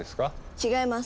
違います。